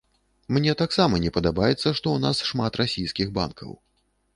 Мне таксама не падабаецца, што ў нас шмат расійскіх банкаў.